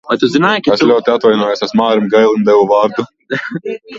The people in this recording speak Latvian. Es ļoti atvainojos, es Mārim Gailim devu vārdu!